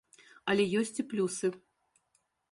Але ёсць і плюсы.